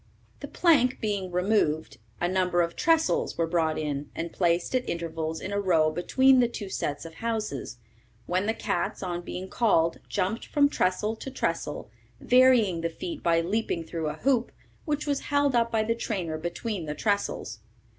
The plank being removed, a number of trestles were brought in, and placed at intervals in a row between the two sets of houses, when the cats, on being called, jumped from trestle to trestle, varying the feat by leaping through a hoop, which was held up by the trainer between the trestles.